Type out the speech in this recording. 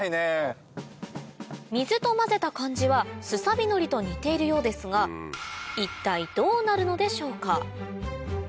水と混ぜた感じはスサビノリと似ているようですが一体どうなるのでしょうか？